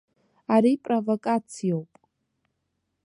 Ари провокациоуп!